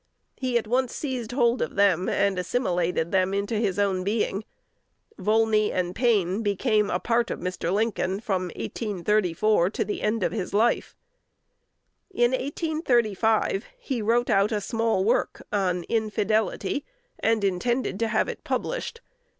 He at once seized hold of them, and assimilated them into his own being. Volney and Paine became a part of Mr. Lincoln from 1834 to the end of his life. In 1835 he wrote out a small work on "Infidelity," and intended to have it published.